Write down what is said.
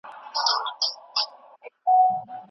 هغې په زړه کې د خپلې تېرې شوې بې باکې ازادۍ ماتم کاوه.